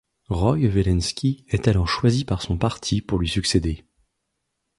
Roy Welensky est alors choisi par son parti pour lui succéder.